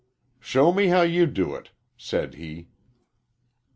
"Show me how ye do it," said he.